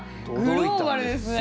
グローバルですね！